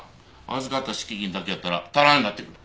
預かった敷金だけやったら足らんようになってくる。